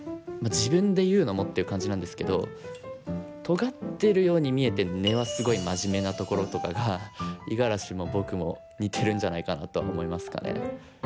自分で言うのもっていう感じなんですけどとがってるように見えて根はすごいマジメなところとかが五十嵐も僕も似てるんじゃないかなとは思いますかね。